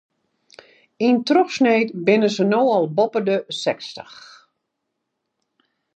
Yn trochsneed binne se no al boppe de sechstich.